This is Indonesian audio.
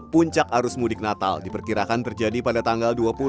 puncak arus mudik natal diperkirakan terjadi pada tanggal dua puluh